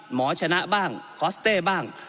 หมอชนะบ้างคอสเต้บ้าง